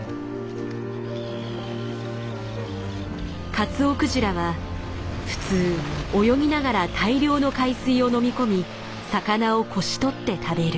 カツオクジラは普通泳ぎながら大量の海水を飲み込み魚をこし取って食べる。